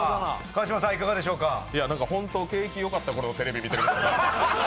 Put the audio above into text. ホント、景気よかったころのテレビ見てるみたい。